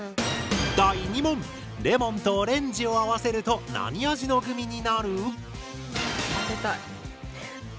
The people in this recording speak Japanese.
第２問レモンとオレンジを合わせると何味のグミになる？